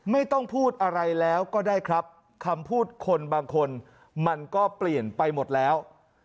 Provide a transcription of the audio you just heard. ไม่ต้องพูดอะไรแล้วก็ได้ครับคำพูดคนบางคนมันก็เปลี่ยนไปหมดแล้ว